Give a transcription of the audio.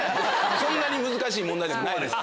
そんなに難しい問題でもないです